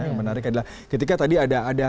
yang menarik adalah ketika tadi ada